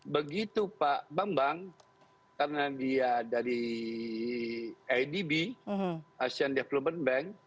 begitu pak bambang karena dia dari adb asian development bank